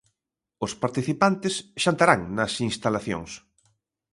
Os participantes xantarán nas instalacións.